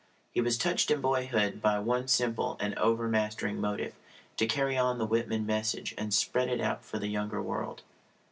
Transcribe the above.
He was touched in boyhood by one simple and overmastering motive to carry on the Whitman message and spread it out for the younger world.